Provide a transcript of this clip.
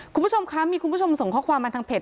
คุณผู้ชมคะมีคุณผู้ชมส่งข้อความมาทางเพจ